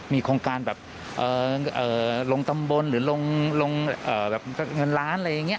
มีโครงการแบบเอ่อเอ่อลงตำบลหรือลงเอ่อแบบเงินล้านอะไรอย่างเงี้ย